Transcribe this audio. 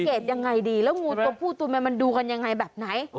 ยังไงดีแล้วงูตัวผู้ตัวมันดูกันยังไงแบบไหน